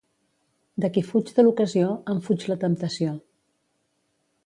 De qui fuig de l'ocasió, en fuig la temptació.